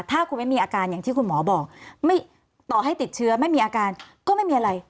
ถ้าคุณไม่มีอาการอย่างที่คุณหมอบอกต่อให้ติดเชื้อไม่มีอาการก็ไม่มีอะไร